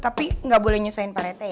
tapi gak boleh nyusahin pak reti